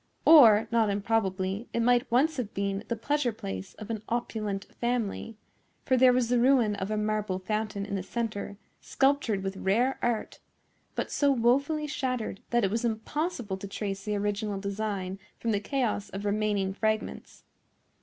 Or, not improbably, it might once have been the pleasure place of an opulent family; for there was the ruin of a marble fountain in the centre, sculptured with rare art, but so wofully shattered that it was impossible to trace the original design from the chaos of remaining fragments.